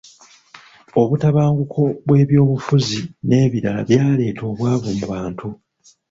Obutabanguko bw’ebyobufuzi n’ebirala byaleeta obwavu mu bantu.